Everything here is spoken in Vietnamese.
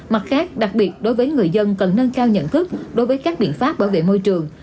mặt khác đặc biệt đối với người dân cần nâng cao nhận thức đối với các biện pháp bảo vệ môi trường